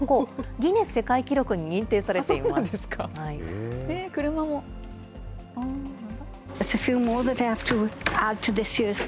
ギネス世界記録に認定されていまそうなんですか。